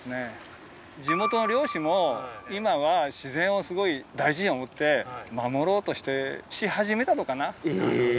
地元の漁師も今は自然をすごい大事に思って守ろうとし始めたのかな。え！